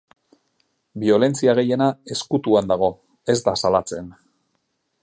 Biolentzia gehiena ezkutuan dago, ez da salatzen.